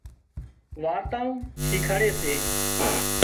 وارتائون شيکاڙي سي